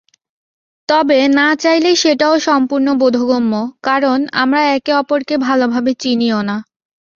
তবে না চাইলে সেটাও সম্পূর্ণ বোধগম্য, কারণ আমরা একে-অপরকে ভালোভাবে চিনিও না।